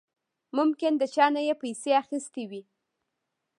ممکن د چانه يې پيسې اخېستې وي.